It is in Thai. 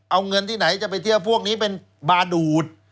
เอาเงินที่ไหนจะไปเที่ยวพวกนี้เป็นบาดูด